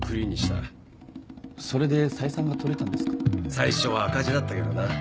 最初は赤字だったけどな